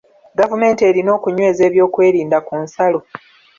Gavumenti erina okunyweza eby'okwerinda ku nsalo.